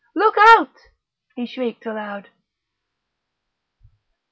"Look out!" he shrieked aloud....